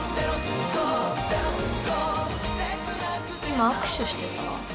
今握手してた？